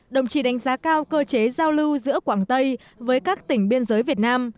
đồng chí đánh giá cao cơ chế giao lưu giữa quảng tây với các tỉnh biên giới việt nam